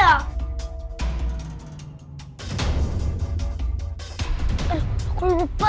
aduh aku lupa